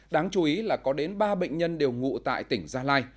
đáng chú ý là có đến ba bệnh nhân đều ngụ tại tỉnh gia lai